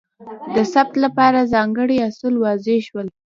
د ثبت لپاره ځانګړي اصول وضع شول.